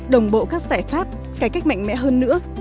đồng bộ các giải pháp cải cách mạnh mẽ hơn nữa